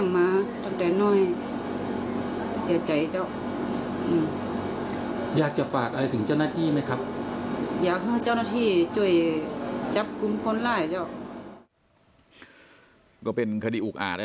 เยอะสะเจ้ะ